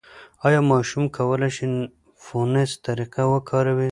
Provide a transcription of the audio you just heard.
ایا ماشوم کولای شي فونس طریقه وکاروي؟